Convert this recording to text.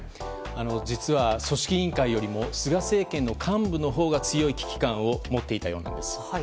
実は、組織委員会よりも菅政権の幹部のほうが強い危機感を持っていたようなんです。